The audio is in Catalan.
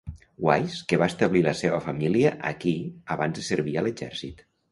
Wise, que va establir la seva família aquí abans de servir a l'exèrcit.